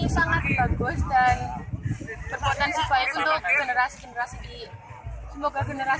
ini sangat bagus dan berpotensi baik untuk generasi generasi ini